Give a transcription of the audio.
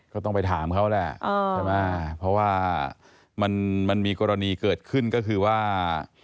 ก็ต้องไปถามเขาแหละใช่ไหมเพราะว่ามันมีกรณีเกิดขึ้นก็คือว่า